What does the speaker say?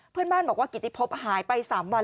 เพื่อนบ้านบอกว่ากิติพบหายไป๓วัน